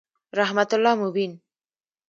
رحمت الله مبین